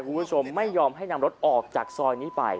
คุณผู้ชมไม่ยอมให้นำรถออกจากซอยนี้ไป